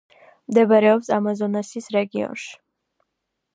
მდებარეობს ამაზონასის რეგიონში.